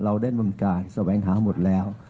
เราได้มุมการสวัสดิ์หาหมดแล้ว